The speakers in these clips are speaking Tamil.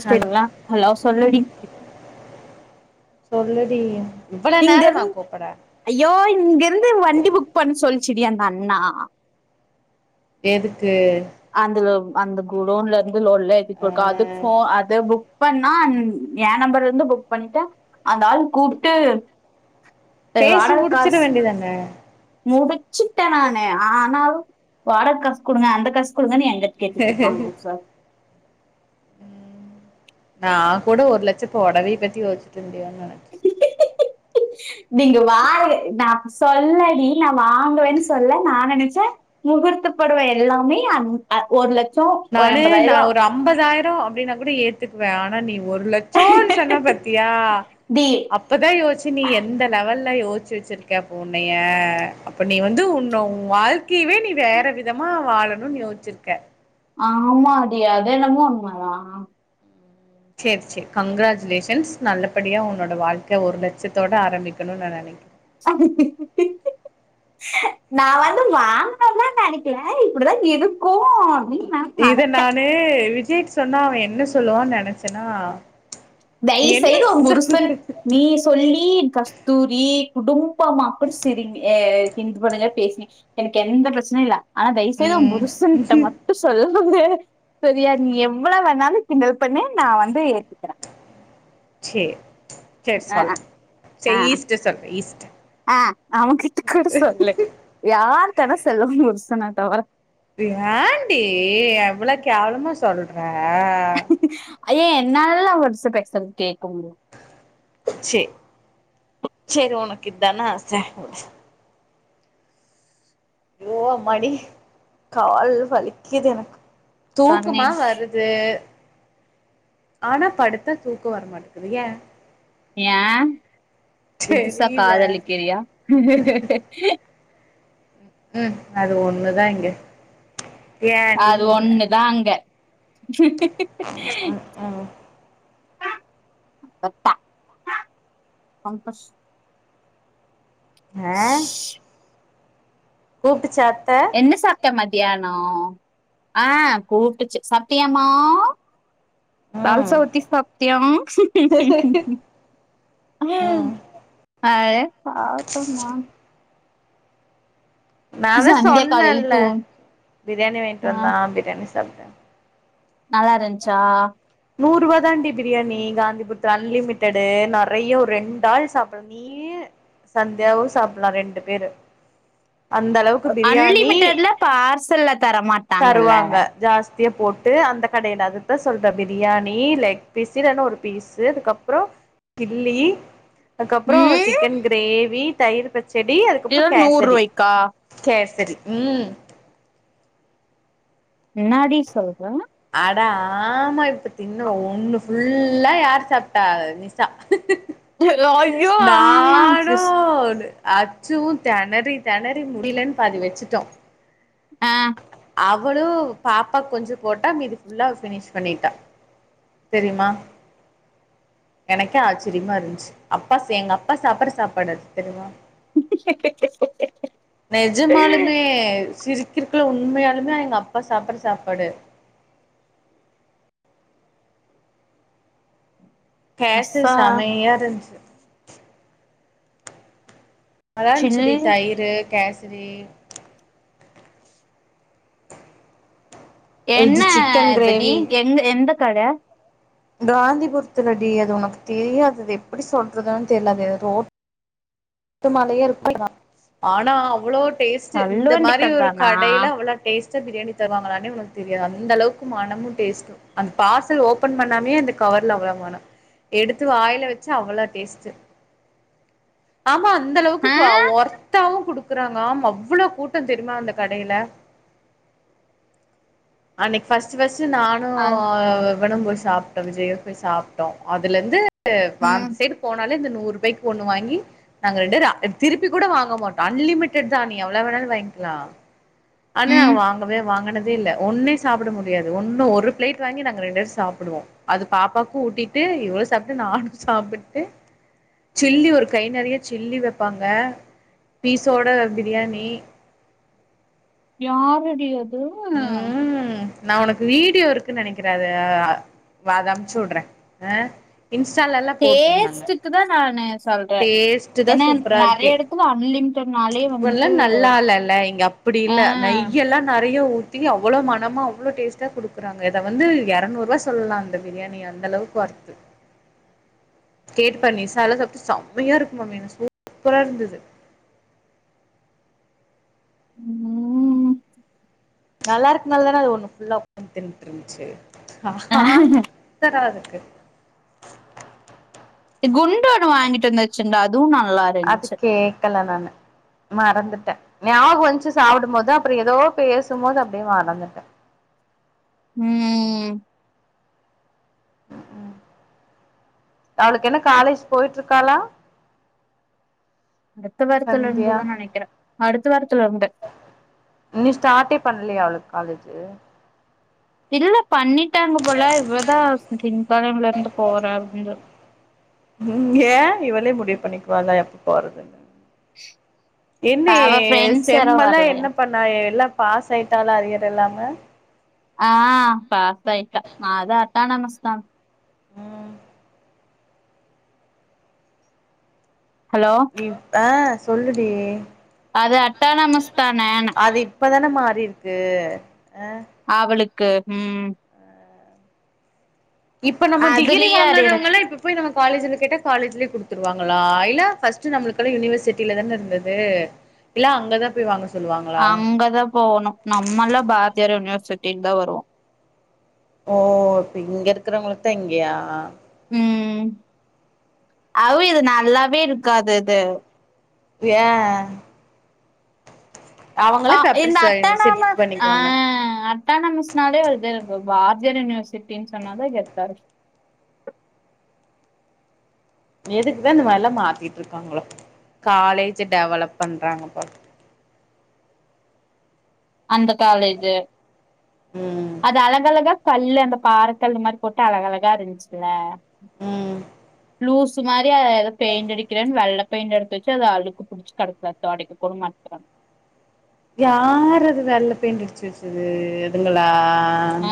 ஹலோ ஹலோ சொல்லுடி இவ்ளோ இங்க நேரமா இருந் கூப்ட ஐயோ இங்கிருந்து வண்டி புக் பண்ண சொல்ச்சுடி அந்த அண்ணா எதுக்கு அந்த அந்த குடோன்ல இருந்து லோடுலா ஏத்திட்டு ஆ போறக்கா அதுக் ஃபோன் அது புக் இப்ப நான் எ நம்பர்ல இருந்து புக் பண்ணிட்ட அந்த ஆள் கூப்ட்டு எ பேசி வாடக முடிச்சிட காஸ் வேண்டியதானே முடு சிட்ட நானு ஆனாலு வாட காஸ் குடுங்க அந்த காஸ் குடுங்கன்னு எங்கிட் ட கேட்டுட்ருக்கா குடுங் சார் நா கூட ஒரு லட்ச பொடவை பத்தி யோசிச்சிட் இருந்தியோ நினைச்ச நீங்க வாரு நா அது சொல்லடி நா வாங்குவே சொல்ல நா நெனச்ச முகூர்த்தப் பொடவ எல்லாமே அன் அ ஒரு லட் நானு நா ஒரு அம்பதாயிரோ அப்டின்னா கூட ஏத்துக்குவ ஆனா நீ ஒரு லட் ச சொன்ன பத்தியா அப் டி அப்பதா யோசிச்ச நீ எந்த லெவல்ல யோச்சி வச்சுருக்க அப்ப உனய அப்ப நீ வந்து உன்னோ உன் வாழ் கயவே நீ வேற விதமா வாழணுன் யோச்சிருக்க ஆமாடி அதென்னமோ உண்மதா சேர் சேர் கங்ராஜுலேஷன்ஸ் நல்லப்படியா உன்னோட வாழ்க்க ஒரு லட்சத்தோட ஆரம்பிக்கணு நா நெனக் நா வந்து வாங்கணுன்லா நினைக்கல இப்டிதா இருக்கு அப்டி இத நானு விஜய்க் சொன்னா அவ என்ன சொல்வா நெனச்சனா தய் செய்து ஓ புருசன் நீ சொல்லி கஸ்தூரி குடும்பமா அப்டி சிரிங்க ஆ கின்து பண்ணுங்க பேச்னே எனக்கு எந்த பிரச்சனை இல்ல ஆனா தயவுசெய்து உ ம் புருஷன்ட மட் டு சொல்லம் போது செரியா நீ எவ்ள வேணாலு கிண்டல் பண்ணு நா வந்து ஏத்துக்கற சேர் செரி அஹ் சொல்ற அஹ் சே ஈஸ்ட சொல்ற ஈஸ்ட ஆ அவகிட்ட கூட சொல்லு யார்டன செல்லு உ புருசன தவற து ஏண்டி எவ்ளோ கேவலமா சொல்ற அய்யய என்னாலல்லா அவர்ஸ பேசவு கேக்கவு முடியு சேர் செரி உனக்கு இத்தான ஆச வுடு யோ அம்மாடி கால் வலிக்கிது எனக்கு தானே தூக்கமா வருத் து ஆனா படுத்தா தூக்கோ வரமாட்டக்குது ஏ ஏ புதுசா தெரில காதலிக்கிரியா ம் அது ஒண்ணுதா இங்க ஏன்டி அது நீ வேற ஒண்ணுதா அங்க ம் ம் தத்தா பம்பஸ் ஆ கூப்ட்டுச்சா அத்த என்ன சாப்ட்ட மத்யானோ ஆ கூப்ட்டுச்சி சாப்ட்டியாமா வல் ம் சவுத்தி சாப்ட்டியா ம் அதே சாப்டமா நா தா சந்தியா காலைல சொன்னல்ல தூ பிரியாணி வாய்ன்ட்டு ஆ வந்தா பிரியாணி சாப்ட்ட நல்லாருந்ச்சா நூருவா தான்டி பிரியாணி காந்திபுரத்துல அன்லிமிடட்டு நெறைய ஒர் ரெண்டு ஆள் சாப்ட மி நீயி சந்தியாவு சாப்புலா ரெண்டு பேரு அந்த அளவுக்கு பிரியாணி அன்லிமிட்டெட்ல பார்சல்ல தரமாட் தருவாங்க ஜாஸ்தியா போட்டு அந்த கடையில அதுத்தா சொல்ற பிரியாணி லெக் பீஸு இல்லனா ஒரு பீஸு அதுக்கப் அப்றோ கில்லி அதுக்கப்றோ ம் சிக்கன் கிரேவி தயிர் பச் சடி அதுக்கப்றோ இது நூறு கேசரி ரூவாய்க்கா கேசரி ம் என்னாடி சொல்ற அடா ஆமா இப்ப தின்னுவ ஒண்ணு ஃபுல்லா யார் சாப்ட்டா? நி சா ஐயோ ஆமா நானு சிஸ் ஒன்னு அச்சுவு தெணறி தெணறி முடியிலன் பாதி வச்சிட்டோ ஆ அவளு பாப்பா கொஞ்ச போட்டா மீது ஃபுல்லா பினிஷ் பண்ணிட்டா தெரியுமா எனக்கே ஆச்சரியமா இருந்ச் அப்பா செ எங்க அப்பா சாப்பற சாப்பாடு அது தெரியுமா ஆ ஆ ஆ நெஜமாலுமே சிரிக்கிருக்குள்ள உண்மையாலுமே எங்க அப்பா சாப்பற சாப்பாடு. கேசரி மிஸ்ஸா செமையா இருந்துச்சி நல்லா சில் இருஞ்சுடி தயிரு கேசரி இது என்ன சிக்கன் இதுடி கிரேவி எந்த எந்த கட காந்திபுர்த்துலடி அது உனக்கு தெரியாது அது எப்புடி சொல்றதுன் தெர்ல அந்த ரோ த்து மேலயே ருக்வினா ஆனா அவுளோ டேஸ்ட்டு இந்த தள்ளுவண்டி மாரி கட ஒரு தானா கடைல அவுளோ டேஸ்ட்டா பிரியாணி தருவாங்களானே உன்க்கு தெரியாது அந்த அளவுக்கு மனமு டேஸ்ட்டு அந் பார்சல் ஓபன் பண்ணாம்யே அந்த கவர்ல அவ்ள மணோ எடுத்து வாய்ல வச்சா அவுளா டேஸ்ட்டு ஆமா அந்த அளவுக்கு ஆ கோ ஒர்த்தாவு குடுக்குறாங்க ஆமா அவ்வுளோ கூட்டோ தெரிமா அந்த கடையில அன்னைக் ஃபஸ்ட்டு ஃபஸ்ட்டு நா னு அது இவனு போய் சாப்ட்டோ விஜயு போய் சாப்ட்டோ அதுல இர்ந்து வா ம் அந்து சைடு போனாலே இந்த நூறுபாய்க்கு ஒன்னு வாங்கி நாங்க ரெண்டுவேரு இப் திருப்பி கூட வாங்க மாட்டோ அன்லிமிடட் தா நீ எவுளோ வேணாலு வாய்ங்க்கிலா ஆனா ம் வாங்கவே வாங்குன தே இல்ல ஒன்னே சாப்புட முடியாது ஒன்னு ஒரு பிளேட் வாங்கி நாங்க ரெண்ட்வேரு சாப்புடுவோ அது பாப்பாக்கு ஊட்டிட்டு இவரு சாப்ட்டு நானு சாப்புட்டு சில்லி ஒரு கை நெறைய சில்லி வைப்பாங்க பீஸோட பிரியாணி யாருடி அது ம் நா ஒனக்கு வீடியோ இருக்குன் நெனைக்கிற அதா வா அத அம்ச்சுட்றே அ இன்ஸ்டாலலா டேஸ்ட்டுக்குதா நானு சொல்றே டேஸ்ட்டு தா ஏனா என்க் சூப்பரா இருக்கே நெறைய எடத்துல அன்லிம்டட்னாலே வன்ட்டு அப்பிடி இல்ல நெய்ய எல்லா நெறைய ஊ த்தி அவுளோ மணமா அவுளோ டேஸ்ட்டா குடுக்குறாங்க இத வந்து எரநூர்வாய் சொல்லா அந்த பிரியாணிய அந்தளவுக்கு ஒர்த்து கேட்டு பார் நிசாலா சாப்ட்டு ச சமயா இருக்கு மாமி எனக்கு சூப்புரா இருந்தது ம் நல்லா இருக்குனால்தான அது ஒன்னு ஃபுல்லா உக்காந் தின்ட்ருந்துச்சு ஆ தரோ அதுக்கு எ குண்டு ஒன்னு வாங்கிட்டு வந்து வச்சுர்ந்தா அதுவு நல்லா அது இருந்துச்சு கேக்கல நானு மறந்துட்ட ஞாகுவன்ச்சு சாப்புடுமோது அப்புறு எதோ பேசுமோது அப்டியே மறந்துட்டே ம் ம் ம் அவளுக்கு என்ன காலேஜ் போய்ட்ருக்காளா அடுத்த வாரத்துல சந்தியா இருந்துதா நெனைக்கிற அடுத்த வாரத்துல இருந்து இன்னி ஸ்டாட்டே பண்லியா அவளுக் காலேஜு இல்ல பண்ணிட்டாங்க போல இவதா ஆஸ்பத்தின் வரம்ல இர்ந்து போறா அப்டின் சொல் இங்க இவளே முடிவு பண்ணிக்வாளா எப்ப போறதுன்னு என்னே செம்மெல்லா என்ன பண் ணா எல்லா பாஸ் ஆய்ட்டாலா அரியர் இல்லாம ஆ பாசா யிட்டா அது அட்டானமஸ்தா ஹலோ ஆ சொல்லுடி அது அட்டானமஸ்தானன அது இப்பதான மாறிருக்கு அ அவளுக்கு ம் இப்ப நம்ம டிகிரி அதுலயே அரியரச்சு வாங்னாதவுங்களா இப்ப போய் நம்ம காலேஜ்ல கேட்டா காலேஜ்லே குடுத்துருவாங்களா இல்ல ஃபஸ்ட்டு நம்ளுக்கெலா யுனிவர்சிட்டில தான இருந்து து இல்ல அங்கதா போய் வாங்க சொல்லுவாங்களா அங்கதா போகணு நம்மலா பாரதியார் யூனிவர்சிட்டிக்கு தா வருவோ ஓ இப்ப இங்கருக்கறவ்ங்களுக்கு தா இங்கயா ம் அவியல் நல்லாவே இருக்காது அது ஏ ஆ அவங்களே பேப்பர் இந்த ச செட் அட்டானாமஸ் ஆ பண்ணிக்குவாங்க அட் அட்டானமஸ்னாலே வே வ பாரதியார் யூனிவர்சிட்டினு சொன்னாலே கெத்தா இருக்கு எதுக்குதா இந்த மாரிலா மாத்திட்ருக்காங்களோ காலேஜு டெவலப் பண்றாங்க போல அந்த காலேஜு ம் அது அழகழகா கல்லு அந்த பாறக்கல் இந்த மாரி போட்டு அழகழகா இருந்துச்சுல ம் லூசு மாதி அத எதோ பெயிண்ட் அடிக்கிறேன் வெள்ள பெயிண்ட் எடுத்து வெச்சு அது அழுக்கு புடுச்சு கெடக்கு அத்தா அடிக்கக் கூட மாட்டிக்கிறாங்க யாரது வெள்ள பெயிண்ட் அடிச்சு வெச்சது ம் இதுங்களா ஆ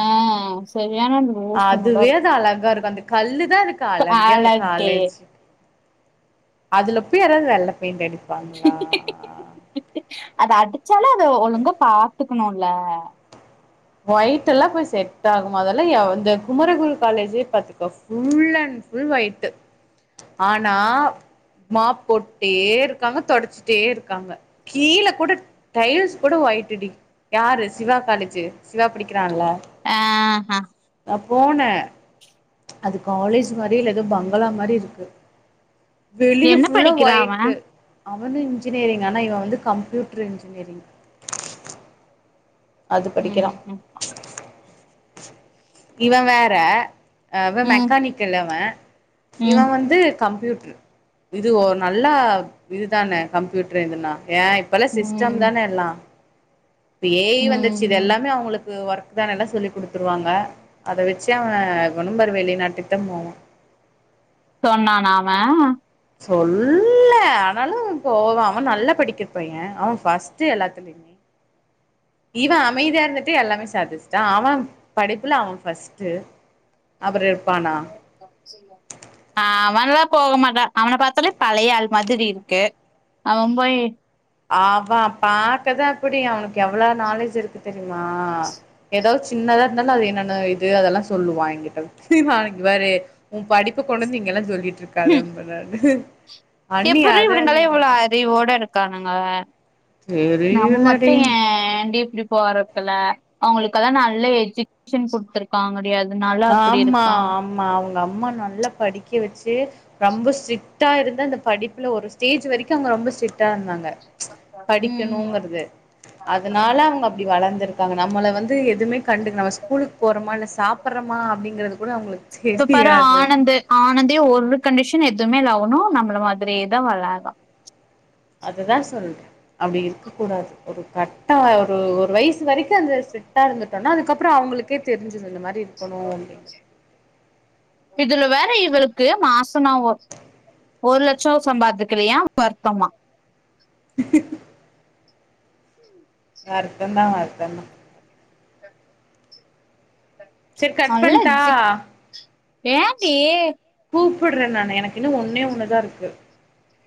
செரியானது அதுவே அது அழகா இருக்கு அந்த கல்லுதா இதுக்கு அழகே அந்த அழகு காலேஜுக்கு அதுல போய் யாராவ்து வெள்ள பெய்ண்ட் அடிப் அத அடிச்சாலு அத ஒழுங்கா பாத்துக்கணுல்ல ஒய்டெல்லா போய் செட் ஆகுமா அதெல்லா எவ் இந்த குமரகுரு காலேஜே பாத்துக்கோ ஃபுல் அண்ட் ஃபுல் ஒய்ட்டு் ஆனா மாப் போட்டே இருக்காங்க தொடச்சுட்டே இருக்காங்க கீழ கூட டைல்ஸ் கூட ஒய்ட்டுடி யாரு சிவா காலேஜு சிவா படிக்கிறான்ல ஆ ஹ நா போனே அது காலேஜ் மாரியே இல்ல எதோ பங்களா மாரி இருக்கு வெளிய என்ன ஃபுல்லா படிக்கிறா அவ ஒய்ட்டு அவனு இன்ஜினியரிங் ஆனா இவ வந்து கம்யூட்ரு இன்ஜினியரிங் அது படிக்கிறா ம் ம் இவ வேற அவ ம் மெக்கானிக்கல் அவ இவ ம் வந்து கம்ப்யூட்ரு இது ஒரு நல்ல இதுதான கம்ப்யூட்ரு இதுலா ஏனா இப்பலா சிஸ்டம் ம் தான எல்லா இப்ப ஏ ஐ ம் வந்துருச்சு இது ம் எல்லாமே அவ்ங்களுக்கு ஒர்க் தா நல்லா சொல்லி் குடுத்துருவாங்க அத வெச்சு அவ கொணும்பர வெளிநாட்டுக்கு தா போவா சொன்னான அவ சொன்னே ஆனாலு போவா அவ நல்லா படிக்கிறப் பைய அவ ஃபஸ்ட்டு எல்லாத்லயு வேறென்னே இவ அமைதியா இருந்துட்டு எல்லாமே சாதிச்ட்டா அவ படிப்புல அவ ஃபஸ்ட்டு அப்புற இருப்பானா [inaudible] ஆ அவன்லா போக மாட்டா அவன பாத்தாலே பழையாள் மாதிரி இருக்கு அவ போய் அவ பாக்கதா இப்புடி அவுனுக்கு எவ்ளோ நாலேஜ் இருக்கு தெரியுமா எதாவ்ச்சு சின்னதா இருந்தாலு அது என்னென்ன இது அதெல்லா சொல்லுவா எங்கிட்ட வந்து நாளைக்கு பாரு ஒ படிப்ப கொண்டாந்து இங்கெல்லா ம் சொல்லிட்ருக்காதன் பட்றாரு எப்புட்றி இவ்ள நாளா இவளாய் அறிவோட இருக்கானுங்க நம்ம மட்டு தெரியலடி ஏண்டி இப்டி போற கில்ல அவுங்களுக்கெல்லா நல்ல எஜகேஷன் குடுத்துருக்காங்கடி அதுனால அப்டி இருக்கா ம்மா அவுங்க அம்மா நல்லா படிக்க வச்சி ரொம்ப ஸ்டிட்டா இருந்து அந்த படிப்புல ஒரு ஸ்டேஜ் வரைக்கு அவுங்க ரொம்ப ஸ்ட்டா இருந்தாங்க ச் ம் படிக்கணுங்கிறது அதனால அவுங்க அப்டி வளர்ந்திருக்காங்க நம்மள வந்து எதுவுமே கண்டு நம்ம ஸ்கூலுக்கு போறோம இல்ல சாப் சாப்புறம்மா அப்டிங்கறது கூட அவுங்களுக்கு இப்ப பாரு தெரியாது ஆனந்து ஆனந்தே ஒரு கண்டிஷன் எதுமே இல்ல அவனு நம்மள மாதிரியே தா வளர்ரா அதுதா சொல்ற அப்டி இருக்கக் கூடாது ஒரு கட்டா ஒரு வயசு வரைக்கு அந்த ஸ்சிட்டா இருந்துட்டோனா அதுக்கப்றோ அவுங்களுக்கே தெரிஞ்சிரு இந்த மாதிரி இருக்கணு அப்டின்னு இதுல வேற இவுளுக்கு மாசனாவோ ஒரு லட்சம் சம்பாதிக்கிரியா வருத்தமா வர்த்தந்தா வர்த்தந்தா சரி கட் நல்லா பண்ட்டா ஜிக் ஏன்டி கூப்புற நானு எனக்கு இன்னு ஒன்னே ஒண்ணுதா இருக்கு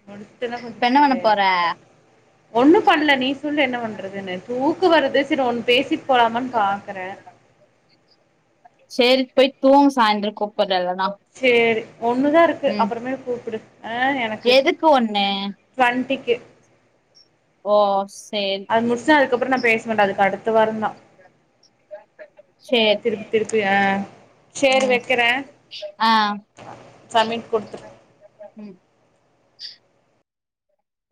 முடுச்சுட்டனா கொஞ்சோ இப்ப என்ன ஃப்ரீ பண்ண ஆயிருவ போற [inaudible] ஒண்ணு பண்ல நீ சொல்லு என்ன பண்றதுன்னு தூக வருது செரி ஒண் பேசிட்டு போலாமனு பாக்ற சேரி போய் தூங் சாய்தர கூப்பற இல்லனா சேரி ஒண்ணுதா இருக்கு ம் அப்றமேல் கூப்புடு ஆ எனக்கு எதுக்கு ஒண்ணு டு்வெண்டிக்கு ஓ சேரி முடிச்சா அதுக்கப்புற நா பேச மாட்ட அதுக்கு அடுத்த வாரந்தா ஏ சேரி தி சேரி ம் வக்கிற ஆ ம்